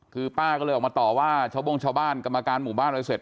คือป้าก็เลยออกมาต่อว่าชาวโบ้งชาวบ้านกรรมการหมู่บ้านอะไรเสร็จ